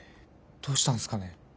どうしたんすかね？